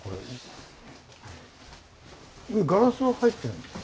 上ガラスが入ってるんですか？